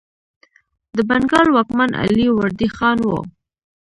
د بنګال واکمن علي وردي خان و.